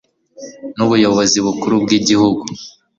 n'ubuyobozi bukuru bw'igihugu